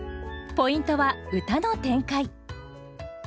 ポイントは歌の展開。